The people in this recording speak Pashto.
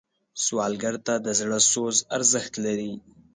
سوالګر ته د زړه سوز ارزښت لري